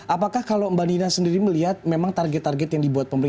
apakah kalau mbak nina sendiri melihat memang target target yang dibuat pemerintah